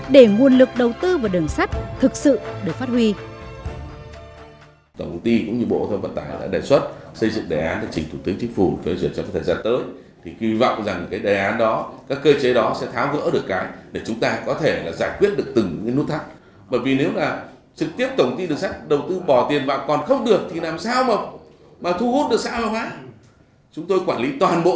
để nguồn lực đầu tư vào đường sắt thực sự được phát huy